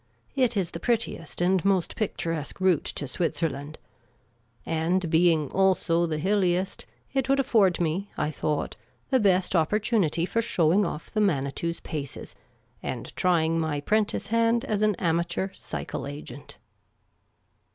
It is the prettiest and most picturesque route to Switzerland ; and, being also the hilliest, it would afford me, I thought, the best opportunity for showing off the Manitou's paces, and trying my prentice hand as an amateur cycle agent.